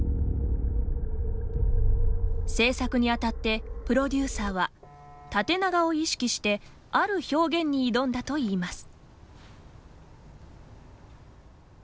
制作に当たってプロデューサーは縦長を意識してある表現に挑んだといいます。